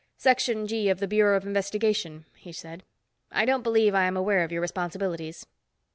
"Section G of the Bureau of Investigation," he said. "I don't believe I am aware of your responsibilities.